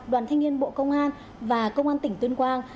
đoàn thanh niên bộ công an và công an tỉnh tuyên quang